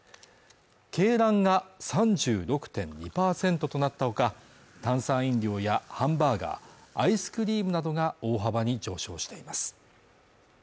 鶏卵が３６．２％となったほか炭酸飲料やハンバーガー、アイスクリームなどが大幅に上昇しています